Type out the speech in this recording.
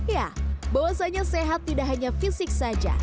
ya bahwasanya sehat tidak hanya fisik saja